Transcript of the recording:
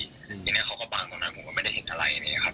ทีนี้เขาก็บังตรงนั้นผมก็ไม่ได้เห็นอะไรอย่างเงี้ครับ